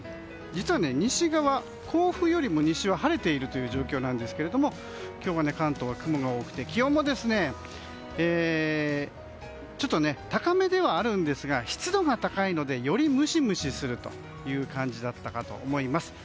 実は、甲府よりも西は晴れている感じなんですが今日は関東は雲が多くて気温も高めではありますが湿度が高いのでよりムシムシするという感じだったかと思います。